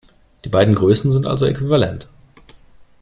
Die beiden Größen sind also äquivalent.